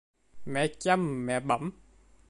Mẹ chăm mẹ bẵm